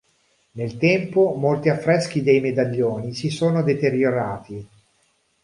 Nel tempo molti affreschi dei medaglioni si sono deteriorati.